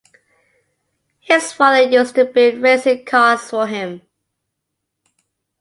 His father used to build racing cars for him.